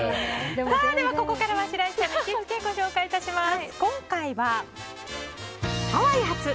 ではここからは白石さんの行きつけご紹介します。